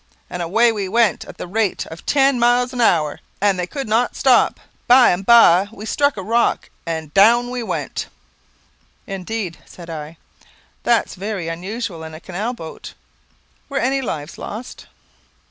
and away we went at the rate of tew miles an hour, and they could not stop. By and by we struck a rock, and down we went." "Indeed!" said I, "that's very unusual in a canal boat; were any lives lost?"